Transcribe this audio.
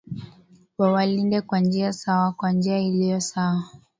wawalinde kwa njia sawa kwa njia iliyo sawa